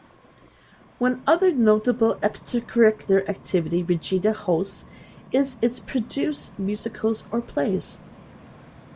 One other notable extracurricular activity Regina hosts is its produced musicals or plays.